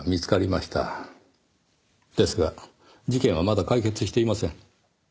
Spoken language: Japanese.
ですが事件はまだ解決していません。